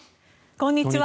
こんにちは。